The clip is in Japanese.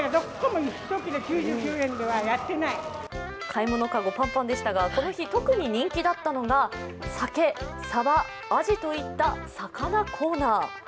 買い物かごパンパンでしたがこの日特に人気だったのがサケ、サバ、アジといった魚コーナー。